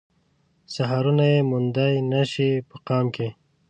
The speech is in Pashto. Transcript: سحرونه يې موندای نه شي په قام کې